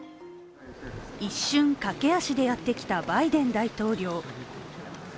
一瞬、駆け足でやってきたバイデン大統領。